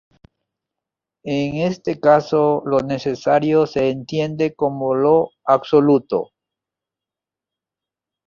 En este caso lo necesario se entiende como lo absoluto.